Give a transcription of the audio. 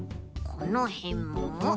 このへんも？